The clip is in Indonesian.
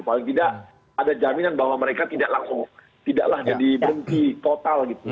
paling tidak ada jaminan bahwa mereka tidak langsung tidaklah jadi berhenti total gitu